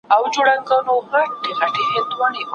د ډنډ ترڅنګ د ږدن او مڼې ځای ړنګ سو.